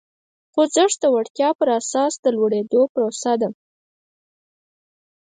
خوځښت د وړتیا پر اساس د لوړېدو پروسه ده.